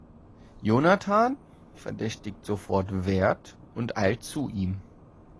Jonathan verdächtigt sofort Wert und eilt zu ihm.